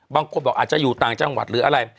บางคนบอกอาจจะอยู่ต่างจังหวัดหรืออะไร